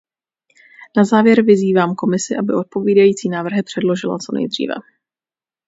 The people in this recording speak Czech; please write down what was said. Na závěr vyzývám Komisi, aby odpovídající návrhy předložila co nejdříve.